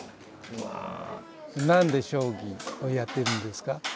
なんで将棋をやってるんですか？